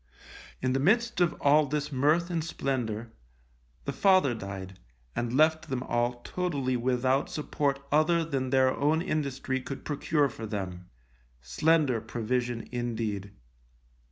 In the midst of all this mirth and splendour, the father died, and left them all totally without support other than their own industry could procure for them, slender provision indeed!